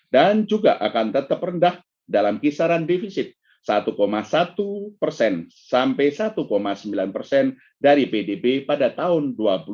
dan juga akan tetap rendah dalam kisaran defisit satu satu persen sampai satu sembilan persen dari pdb pada tahun dua ribu dua puluh dua